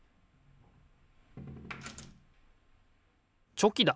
チョキだ！